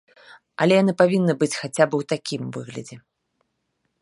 Але яны павінны быць хаця б у такім выглядзе.